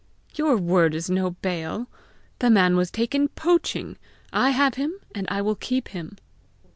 "Your word is no bail. The man was taken poaching; I have him, and I will keep him."